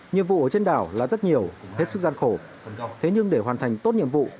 nhiệm vụ ở trên đảo là rất nhiều hết sức gian khổ thế nhưng để hoàn thành tốt nhiệm vụ